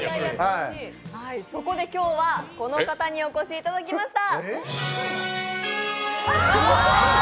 そこで今日はこの方にお越しいただきました。